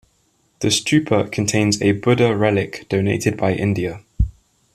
The stupa contains a Buddha relic donated by India.